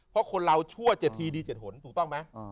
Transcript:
เพราะคนเราชั่วเฉดธีดีเฉดหลวนถูกต้องไหม